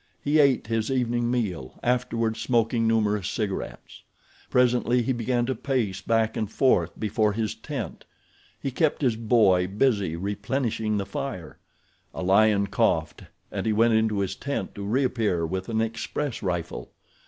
He ate his evening meal, afterward smoking numerous cigarettes. Presently he began to pace back and forth before his tent. He kept his boy busy replenishing the fire. A lion coughed and he went into his tent to reappear with an express rifle.